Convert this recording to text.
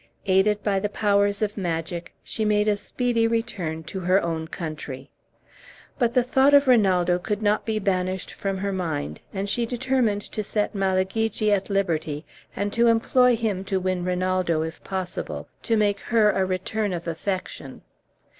Aided by the powers of magic, she made a speedy return to her own country. But the thought of Rinaldo could not be banished from her mind, and she determined to set Malagigi at liberty, and to employ him to win Rinaldo, if possible, to make her a return of affection.